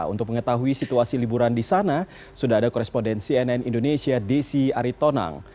untuk mengetahui situasi liburan di sana sudah ada korespondensi nn indonesia desi aritonang